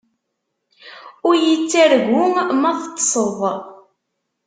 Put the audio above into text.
Ur yi-ttargu ma teṭṭseḍ.